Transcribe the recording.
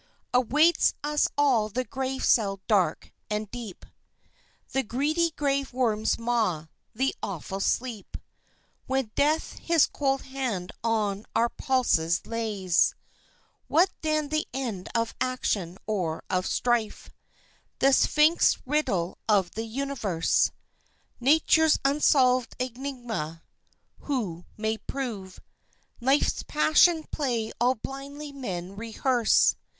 Awaits us all the grave cell dark and deep, The greedy grave worm's maw, the awful sleep When Death his cold hand on our pulses lays. What then the end of action or of strife? The sphinxèd riddle of the Universe, Nature's unsolved enigma, who may prove? Life's Passion Play all blindly men rehearse....